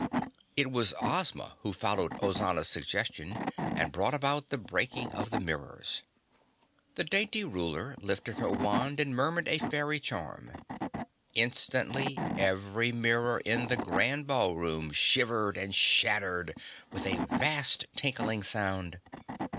It was Ozma who followed Ozana's suggestion and brought about the breaking of the mirrors. The dainty ruler lifted her wand and murmured a fairy charm. Instantly every mirror in the Grand Ballroom shivered and shattered with a vast, tinkling sound.